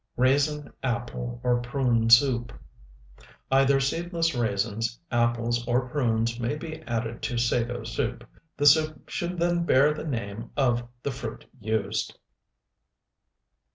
RAISIN, APPLE, OR PRUNE SOUP Either seedless raisins, apples, or prunes may be added to sago soup. The soup should then bear the name of the fruit used.